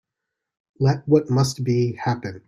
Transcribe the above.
Let what must be, happen.